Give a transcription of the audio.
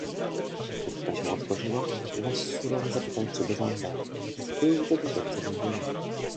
"Furtka się otworzyła, głos surowy zapytał czego żądał; był to dozorca więzienia."